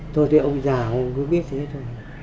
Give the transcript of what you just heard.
thôi thì ông già ông cứ biết thế thôi